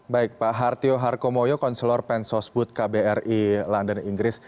baik pak hartio harkomoyo konselor pensosbud kbri london inggris